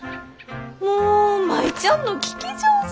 もう舞ちゃんの聞き上手。